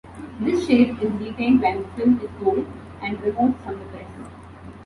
This shape is retained when the film is cooled and removed from the press.